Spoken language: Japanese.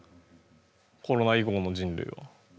コロナ以後の人類は。